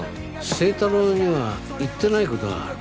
星太郎には言ってない事がある。